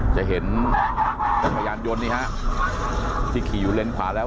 จะเห็นจักรยานยนต์นี่ฮะที่ขี่อยู่เลนขวาแล้ว